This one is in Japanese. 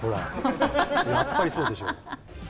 やっぱりそうでしょ。